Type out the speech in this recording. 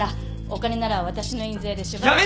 お金なら私の印税でしばらく。